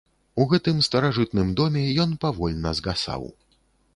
У гэтым старажытным доме ён павольна згасаў.